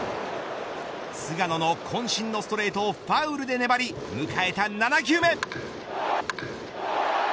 菅野のこん身のストレートをファウルで粘り迎えた７球目。